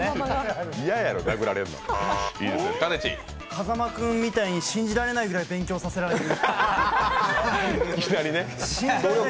風間君みたいに信じられないくらいに勉強させられる。